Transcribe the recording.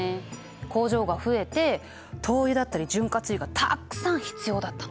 工場が増えて灯油だったり潤滑油がたくさん必要だったの。